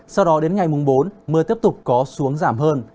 sau đó đến ngày mùng bốn mưa tiếp tục có xuống giảm hơn